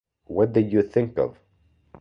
What did you think of?